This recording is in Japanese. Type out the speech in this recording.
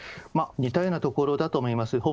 似たようなところだと思います。